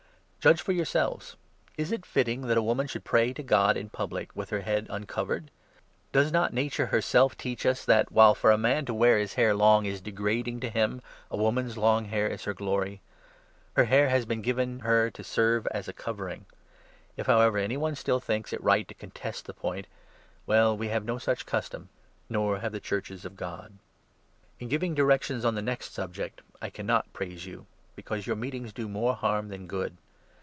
Judge for yourselves. Is it fitting 13 that a woman should pray to God in public with her head uncovered ? Does not nature herself teach us that, while for 14 a man to wear his hair long is degrading to him, a woman's 15 long hair is her glory ? Her hair has been given her to serve as a covering. If, however, anyone still thinks it right 16 to contest the point — well, we have no such custom, nor have the Churches of God. AS to the ^n S'lv'inS directions on the next subject, I 17 ' Lord's cannot praise you ; because your meetings do supper.' more harm than good.